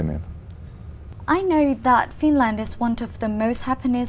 và tôi hy vọng rằng trong tương lai